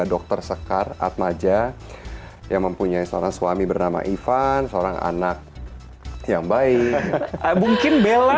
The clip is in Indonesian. dokter sekar atmaja yang mempunyai seorang suami bernama ivan seorang anak yang baik mungkin bella